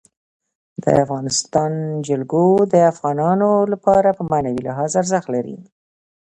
د افغانستان جلکو د افغانانو لپاره په معنوي لحاظ ارزښت لري.